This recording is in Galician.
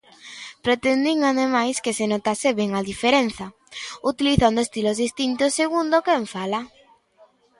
Pretendín ademais que se notase ben a diferenza, utilizando estilos distintos segundo quen fala.